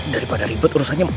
daripada ribet urusannya